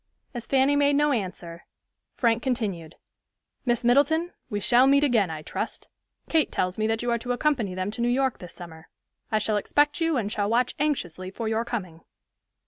As Fanny made no answer, Frank continued, "Miss Middleton, we shall meet again, I trust. Kate tells me that you are to accompany them to New York this summer. I shall expect you and shall watch anxiously for your coming."